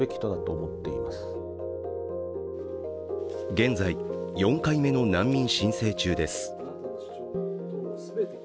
現在、４回目の難民申請中です。